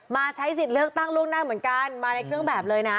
ใช้สิทธิ์เลือกตั้งล่วงหน้าเหมือนกันมาในเครื่องแบบเลยนะ